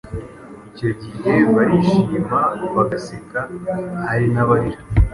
Icyo gihe barishima, bagaseka , hari n’abarira